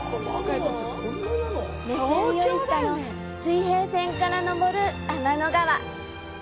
目線より下の水平線から昇る天の川。